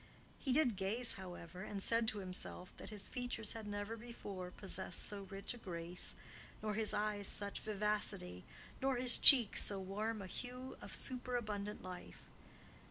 He did gaze, however, and said to himself that his features had never before possessed so rich a grace, nor his eyes such vivacity, nor his cheeks so warm a hue of superabundant life.